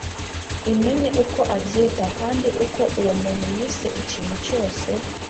imenye uko abyita, kandi uko uwo muntu yise ikintu cyose